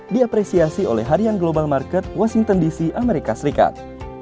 diapresiasi oleh harian global market washington dc amerika serikat